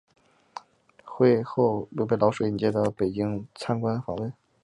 会后又被老舍引介到北京参观访问。